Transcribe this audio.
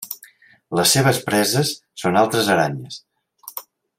Les seves preses són altres aranyes.